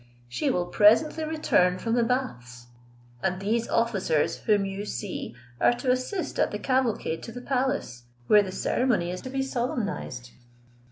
She will presently return from the baths; and these officers whom you see are to assist at the cavalcade to the palace, where the ceremony is to be solemnized."